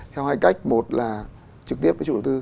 theo hai cách một là trực tiếp với chủ đầu tư